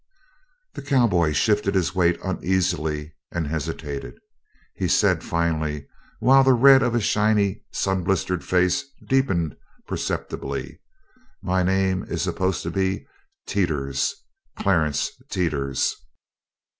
The cowboy shifted his weight uneasily and hesitated. He said finally while the red of his shiny sun blistered face deepened perceptibly: "My name is supposed to be Teeters Clarence Teeters."